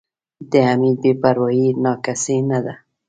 د حمید بې پروایي نا کسۍ نه ده.